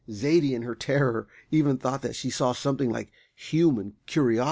Zaidie, in her terror, even thought that she saw something like human curiosity in them.